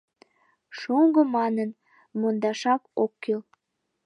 Шоҥго манын, мондашак ок кӱл.